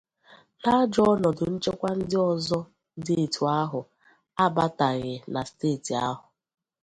na ajọ ọnọdụ nchekwa ndị ọzọ dị etu ahụ abataghị na steeti ahụ.